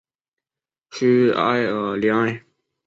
屈埃尔里安。